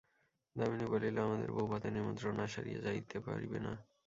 দামিনী বলিল, আমাদের বউভাতের নিমন্ত্রণ না সারিয়া যাইতে পারিবে না।